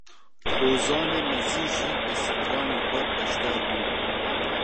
Hozanê mezin jî bi stranên xwe beşdar bû